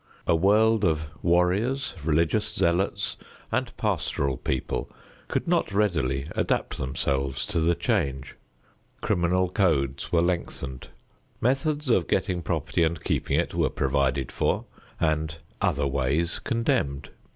A world of warriors, religious zealots and pastoral people could not readily adapt themselves to the change. Criminal codes were lengthened; methods of getting property and keeping it were provided for, and other ways condemned.